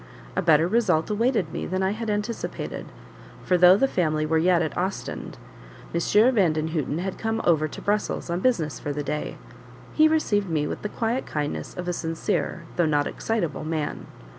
A better result awaited me than I had anticipated, for though the family were yet at Ostend, M. Vandenhuten had come over to Brussels on business for the day. He received me with the quiet kindness of a sincere though not excitable man.